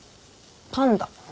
パンダ。